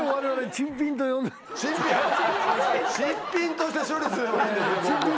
珍品として処理すればいいんですね。